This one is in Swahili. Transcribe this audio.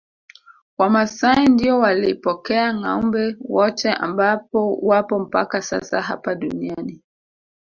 Wamasai ndio walipokea ngâombe wote ambao wapo mpaka sasa hapa duniani